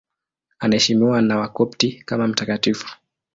Anaheshimiwa na Wakopti kama mtakatifu.